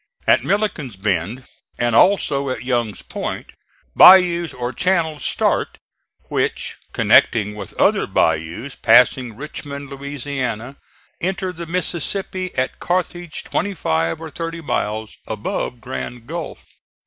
At Milliken's Bend, and also at Young's Point, bayous or channels start, which connecting with other bayous passing Richmond, Louisiana, enter the Mississippi at Carthage twenty five or thirty miles above Grand Gulf.